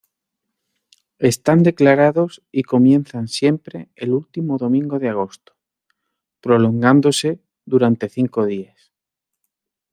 Están declarados y comienzan siempre el último domingo de agosto, prolongándose durante cinco días.